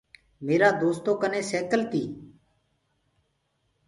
ميرآ دوستو ڪني سيڪل تي۔